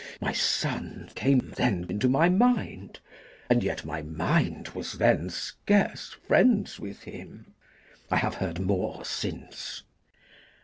My son Came then into my mind, and yet my mind Was then scarce friends with him. I have heard more since.